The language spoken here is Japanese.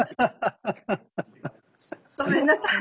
ごめんなさい。